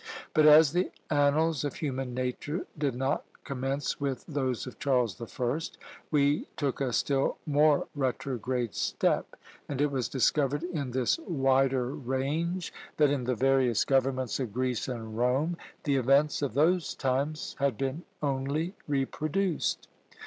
But as the annals of human nature did not commence with those of Charles the First, we took a still more retrograde step, and it was discovered in this wider range, that in the various governments of Greece and Rome, the events of those times had been only reproduced.